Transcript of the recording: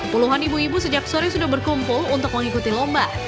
puluhan ibu ibu sejak sore sudah berkumpul untuk mengikuti lomba